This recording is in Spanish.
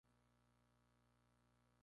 Es nieto del político Miguel Maura.